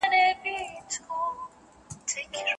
آیا لنډیز تر بشپړ متن ژر لوستل کېږي؟